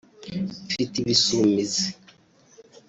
mfite ibisumizi